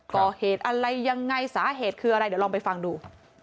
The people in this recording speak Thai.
ก่อเหตุอะไรยังไงสาเหตุคืออะไรเดี๋ยวลองไปฟังดู